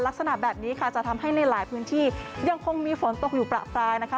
ลักษณะแบบนี้ค่ะจะทำให้ในหลายพื้นที่ยังคงมีฝนตกอยู่ประปรายนะคะ